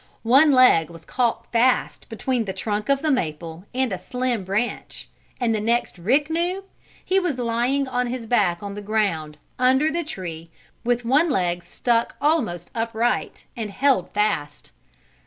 One leg was caught fast between the trunk of the maple and a slim branch, and the next Rick knew, he was lying on his back on the ground, under the tree, with one leg stuck almost upright, and held fast.